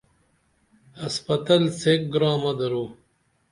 ہسپتل سیک گرامہ درو